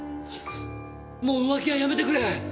もう浮気はやめてくれ！